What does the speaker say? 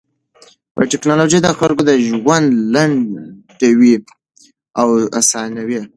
ټکنالوژي د خلکو ژوند لنډوي او اسانوي.